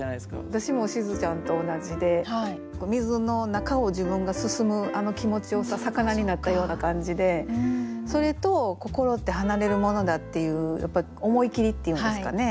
私もしずちゃんと同じで水の中を自分が進むあの気持ちを魚になったような感じでそれと「心って離れるものだ」っていうやっぱり思い切りというんですかね